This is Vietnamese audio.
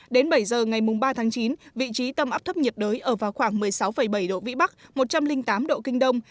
đến bảy giờ ngày ba tháng chín vị trí tâm áp thấp nhiệt đới ở vào khoảng một mươi sáu bảy độ vĩ bắc một trăm linh tám độ kinh đông